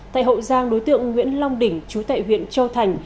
tại hậu giang đối tượng nguyễn long đỉnh chú tại huyện châu thành